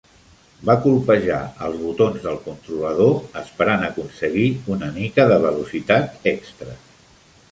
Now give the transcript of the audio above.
Va colpejar els botons del controlador esperant aconseguir una mica de velocitat extra.